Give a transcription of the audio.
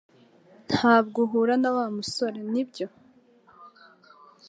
Ntabwo uhura na Wa musore, nibyo?